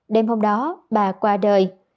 đêm hôm đó bà qua đời